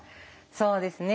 そうですね